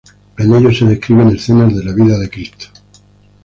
En ellos se describen "Escenas de la vida de Cristo".